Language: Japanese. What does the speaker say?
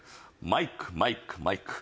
マイクマイクマイク。